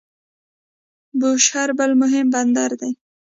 بوشهر بل مهم بندر دی.